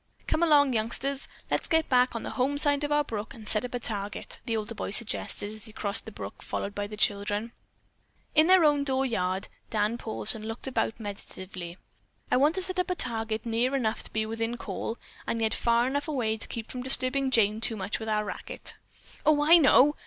"Come along, youngsters, let's get back on the home side of our brook and set up a target," the older boy suggested as he crossed the brook, followed by the children. In their door yard Dan paused and looked about meditatively. "I want to set up a target near enough to be within call, and yet far enough away to keep from disturbing Jane too much with our racket." "Oh, I know!"